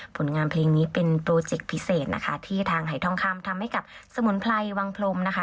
ผลงานเพลงนี้เป็นโปรเจคพิเศษนะคะที่ทางหายทองคำทำให้กับสมุนไพรวังพรมนะคะ